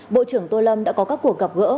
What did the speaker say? bộ trưởng tô lâm đã có các cuộc gặp gỡ